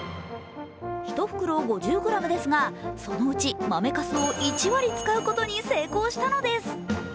１袋５０ｇですがそのうち豆かすを１割使うことに成功したのです。